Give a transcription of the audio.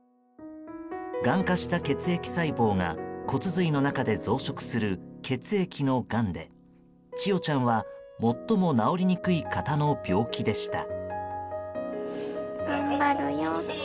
がん化した血液細胞が骨髄の中で増殖する血液のがんで千与ちゃんは、最も治りにくい型の病気でした。